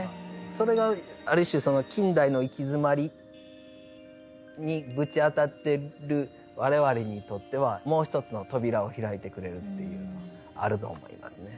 それがある種近代の行き詰まりにぶち当たってる我々にとってはもう一つの扉を開いてくれるっていうのはあると思いますね。